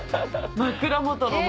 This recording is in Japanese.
枕元の窓。